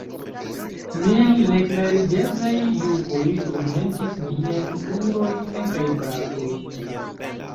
Mil neklarigeblaj jukoj turmentis miajn krurojn kaj brakojn.